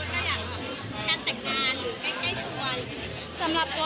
ไม่มีสกิตบอกเลยไหมเอ้ยอีกสองปีนะพี่